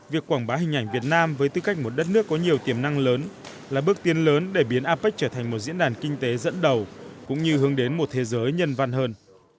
việc quảng bá hình ảnh việt nam với tư cách một đất nước có nhiều tiềm năng lớn là bước tiên lớn để biến apec trở thành một diễn đàn kinh tế dẫn đầu cũng như hướng đến một thế giới nhân văn hơn